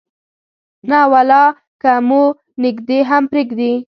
نه ولا که مو نږدې هم پرېږدي.